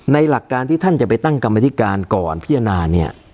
หลักการที่ท่านจะไปตั้งกรรมธิการก่อนพิจารณาเนี่ย